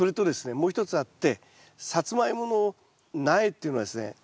もう一つあってサツマイモの苗っていうのはですね